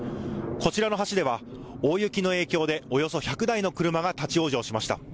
こちらの橋では、大雪の影響で、およそ１００台の車が立往生しました。